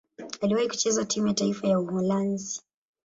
Aliwahi kucheza timu ya taifa ya Uholanzi.